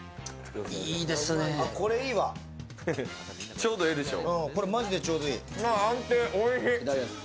ちょうどええでしょう。